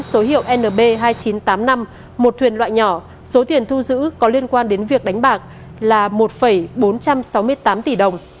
số hiệu nb hai nghìn chín trăm tám mươi năm một thuyền loại nhỏ số tiền thu giữ có liên quan đến việc đánh bạc là một bốn trăm sáu mươi tám tỷ đồng